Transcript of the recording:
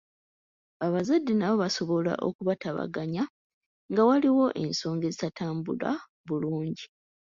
Abazadde nabo basobola okubatabaganya nga waliwo ensonga ezitatambula bulungi.